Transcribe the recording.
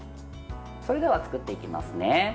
それでは作っていきますね。